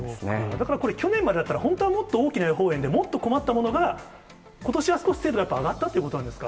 だからこれ、去年までだったら本当はもっと大きな予報円で、もっと困ったものが、ことしは少し精度がやっぱり上がったということなんですか。